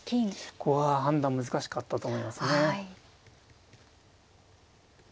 ここは判断難しかったと思いますね。